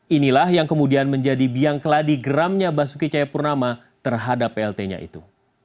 inilah yang kemudian menjadi biang keladi geramnya basuki cahayapurnama terhadap plt nya itu